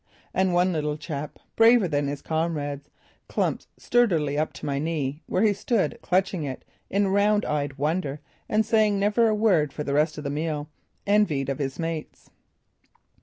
And one little chap, braver than his comrades, clumped sturdily up to my knee, where he stood clutching it in round eyed wonder and saying never a word for the rest of the meal, envied of his mates.